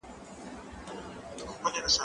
زه بايد نان وخورم؟!